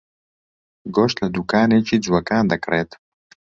گۆشت لە دوکانێکی جووەکان دەکڕێت.